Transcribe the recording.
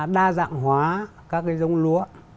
đa dạng hóa các cái dông lúa